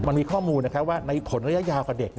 มันมีข้อมูลนะครับว่าในผลระยะยาวกับเด็ก